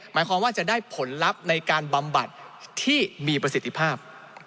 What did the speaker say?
หมายความว่าจะได้ผลลัพธ์ในการบำบัดที่มีประสิทธิภาพ